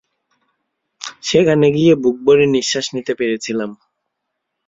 সেখানে গিয়ে বুকভরে নিঃশ্বাস নিতে পেরেছিলাম।